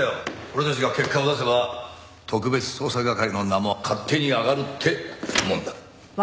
俺たちが結果を出せば特別捜査係の名も勝手に上がるってもんだ。